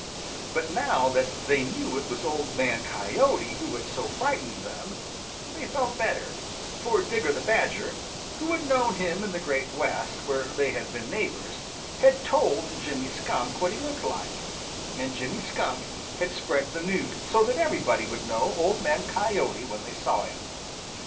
But now that they knew it was Old Man Coyote who had so frightened them, they felt better, for Digger the Badger, who had known him in the Great West where they had been neighbors, had told Jimmy Skunk what he looked like, and Jimmy Skunk had spread the news so that everybody would know Old Man Coyote when they saw him.